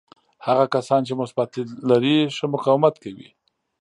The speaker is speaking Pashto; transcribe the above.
هغه کسان چې مثبت لید لري ښه مقاومت کوي.